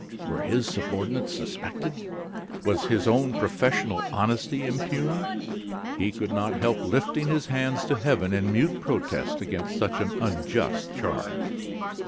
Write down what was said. were his subordinates suspected? Was his own professional honesty impugned? He could not help lifting his hands to heaven in mute protest against such an unjust charge.